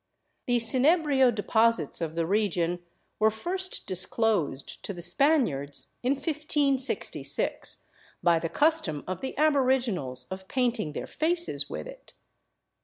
The cinebrio deposits of the region were first disclosed to the Spaniards in 1566, by the custom of the aboriginals of painting their faces with it.